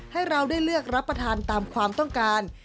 ให้เราได้เลือกรับประทานตามความต้องการ